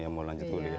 yang mau lanjut kuliah